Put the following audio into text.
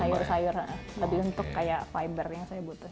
sayur sayur lebih untuk kaya fiber yang saya butuhin lah